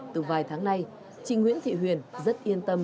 từ vài tháng nay chị nguyễn thị huyền rất yên tâm